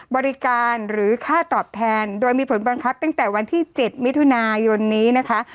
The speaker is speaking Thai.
บริการหรือค่าตอบแทนโดยมีผลบังคับตั้งแต่วันที่๗มิถุนายนนี้นะคะ